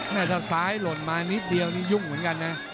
เนื่องจะซ้ายหล่นมันมีเบียงมียุ่งเหมือนกันนะ